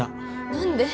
何で？